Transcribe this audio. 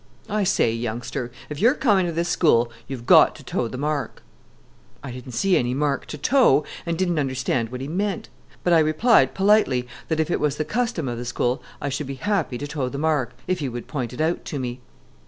"I say, youngster, if you're comin' to this school you've got to toe the mark." I didn't see any mark to toe, and didn't understand what he meant; but I replied politely, that, if it was the custom of the school, I should be happy to toe the mark, if he would point it out to me.